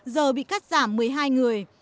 giờ bị cắt giảm một mươi hai người